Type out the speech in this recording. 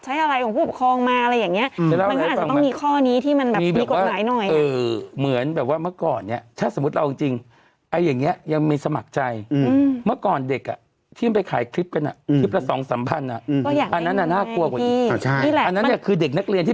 ใช้อะไรของผู้อุบครองมาอะไรอย่างนี้